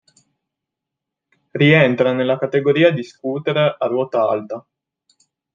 Rientra nella categoria di scooter a ruota alta.